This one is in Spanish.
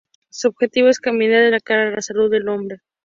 Su objetivo es "cambiar la cara a la salud del hombre".